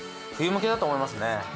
冬向けだと思いますね。